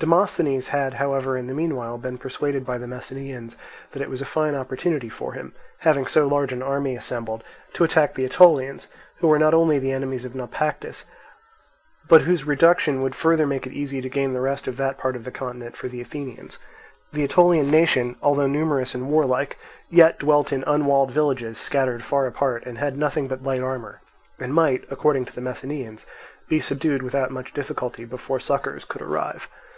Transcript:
Demosthenes however had in the meanwhile been persuaded by the Messenians that it was a fine opportunity for him, having so large an army assembled, to attack the Aetolians, who were not only the enemies of Naupactus, but whose reduction would further make it easy to gain the rest of that part of the continent for the Athenians. The Aetolian nation, although numerous and warlike, yet dwelt in unwalled villages scattered far apart, and had nothing but light armour, and might, according to the Messenians, be subdued without much difficulty before succours could arrive.